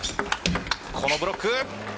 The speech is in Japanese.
このブロック。